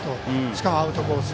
しかもアウトコース。